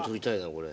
これ。